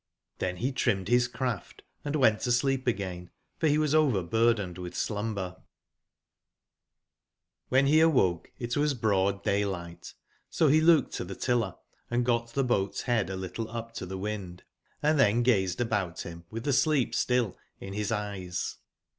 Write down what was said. tiben be trimmed bis craft, and went to sleep again^forbewas overburdened witb slumber. ''•^"'^'^■^"^ '^^'nSIV be awoke it was broad day ligbt; so be looked to tbe tiller and got tbe boaf s bead a little up to tbe wind,& tben gazed about bim witb tbe sleep still in bis eyes.